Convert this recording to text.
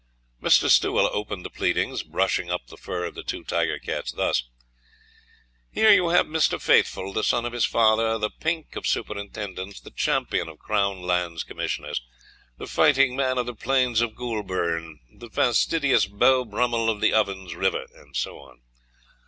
Mr. Stawell opened the pleadings, brushing up the fur of the two tiger cats thus: "Here you have Mr. Faithful the son of his father the pink of superintendents the champion of Crown Lands Commissioners the fighting man of the plains of Goulburn the fastidious Beau Brummel of the Ovens River," and so on.